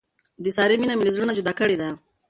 د سارې مینه مې له زړه نه جدا کړې ده.